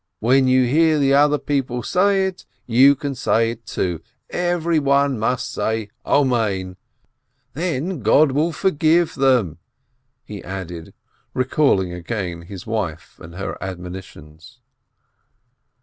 "When you hear the other people say it, you can say it, too! Everyone must say Amen, then God will forgive them," he added, recalling again his wife and her admonitions.